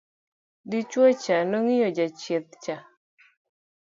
dichuo cha nong'iyo jachieth cha